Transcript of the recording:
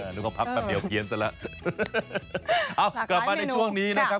นึกว่าพักแป๊บเดียวเพี้ยนซะแล้วเอากลับมาในช่วงนี้นะครับ